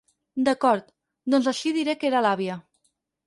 D'acord, doncs així diré que era l'àvia!